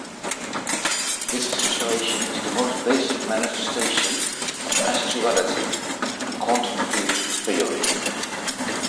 This situation is the most basic manifestation of S-duality in quantum field theory.